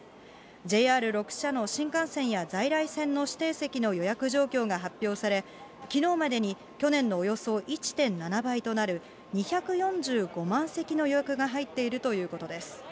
ＪＲ６社の新幹線や在来線の指定席の予約状況が発表され、きのうまでに去年のおよそ１．７倍となる２４５万席の予約が入っているということです。